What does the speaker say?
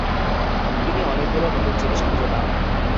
তিনি অনেকগুলো নতুন জিনিস খুঁজে পান।